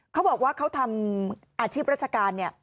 เขาบอกว่าเขาทำอาชีพราชการเนี่ย